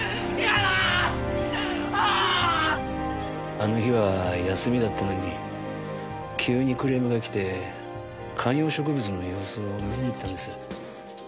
あの日は休みだったのに急にクレームが来て観葉植物の様子を見に行ったんです。